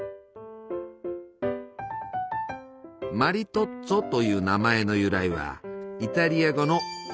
「マリトッツォ」という名前の由来はイタリア語の「夫」